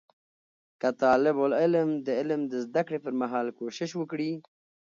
که طالب العلم د علم د زده کړې پر مهال کوشش وکړي